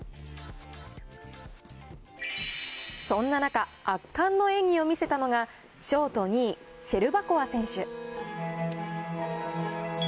そんな中、圧巻の演技を見せたのが、ショート２位、シェルバコワ選手。